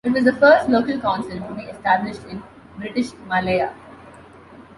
It was the first local council to be established in British Malaya.